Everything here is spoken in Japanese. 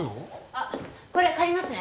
あっこれ借りますね